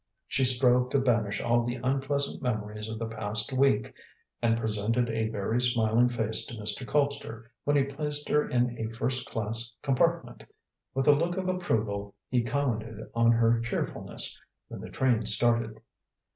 She strove to banish all the unpleasant memories of the past week, and presented a very smiling face to Mr. Colpster when he placed her in a first class compartment. With a look of approval he commented on her cheerfulness when the train started.